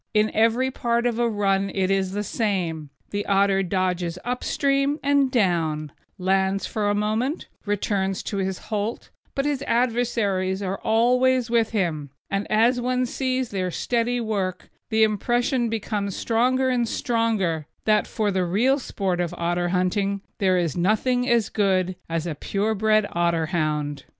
In every part of a run it is the same; the otter dodges up stream and down, lands for a moment, returns to his holt; but his adversaries are always with him, and as one sees their steady work the impression becomes stronger and stronger that for the real sport of otter hunting there is nothing as good as the pure bred Otterhound.